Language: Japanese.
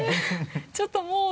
ちょっともう。